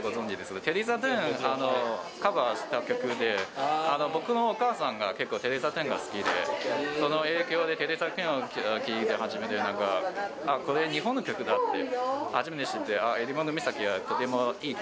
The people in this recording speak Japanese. テレサ・テンがカバーした曲で、僕のお母さんが結構テレサ・テンが好きで、その影響でテレサ・テンを聴いて、初めてなんか、これ、日本の曲だって初めて知って、襟裳岬はとてもいい曲。